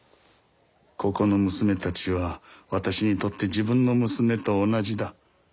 ここの娘たちは私にとって自分の娘と同じだ。